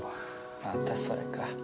またそれか。